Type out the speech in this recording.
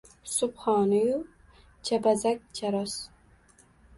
Subhoni-yu chapazak, charos.